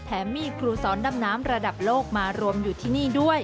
มีครูสอนดำน้ำระดับโลกมารวมอยู่ที่นี่ด้วย